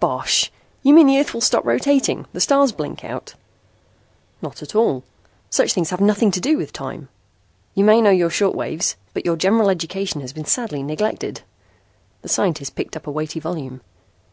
"Bosh! You mean the earth will stop rotating, the stars blink out?" "Not at all. Such things have nothing to do with time. You may know your short waves, but your general education has been sadly neglected." The scientist picked up a weighty volume.